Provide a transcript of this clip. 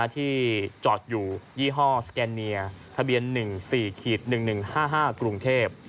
ที่จอดอยู่ยี่ห้อสแกนเนียทะเบียน๑๔๑๑๕๕กรุงเทพฯ